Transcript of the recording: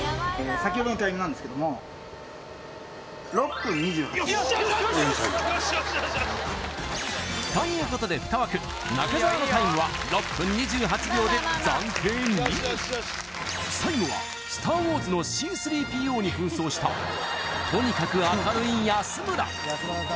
さきほどのタイムなんですけども俺のタイムが？ということで２枠中澤のタイムは６分２８秒で暫定２位最後は「スター・ウォーズ」のＣ−３ＰＯに扮装したとにかく明るい安村